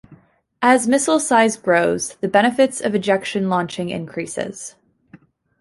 As missile size grows, the benefits of ejection launching increase.